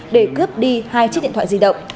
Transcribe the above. để cướp đi hai chiếc điện thoại di động